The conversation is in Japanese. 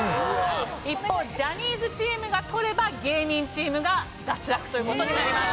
一方ジャニーズチームが取れば芸人チームが脱落という事になります。